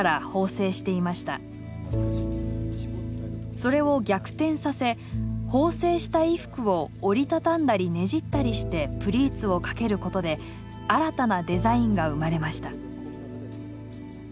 それを逆転させ縫製した衣服を折り畳んだりねじったりしてプリーツをかけることで新たなデザインが生まれました。